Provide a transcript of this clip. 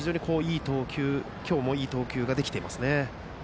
今日もいい投球ができていますね。